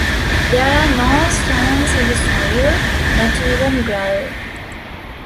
There are no stones in the soil, not even gravel.